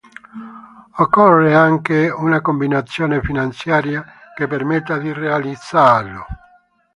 Occorre anche una combinazione finanziaria che permetta di realizzarlo.